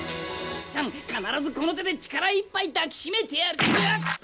必ずこの手で力いっぱい抱き締めてやる。